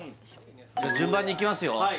じゃあ順番にいきますよ